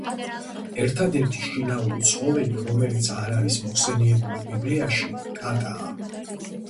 ერთადერთი შინაური ცხოველი, რომელიც არ არის მოხსენიებული ბიბლიაში, კატაა.